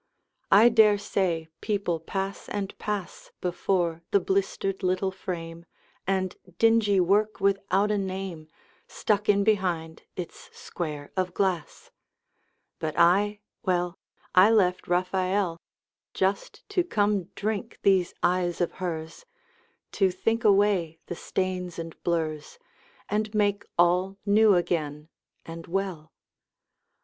I dare say people pass and pass Before the blistered little frame, And dingy work without a name Stuck in behind its square of glass. But I, well, I left Raphael Just to come drink these eyes of hers, To think away the stains and blurs And make all new again and well.